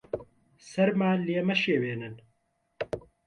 سەرمان لێ مەشێوێنن.